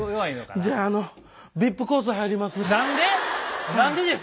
じゃああのＶＩＰコース入ります。